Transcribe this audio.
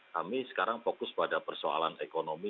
kami sekarang fokus pada persoalan ekonomi